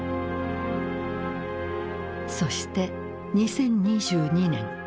そして２０２２年。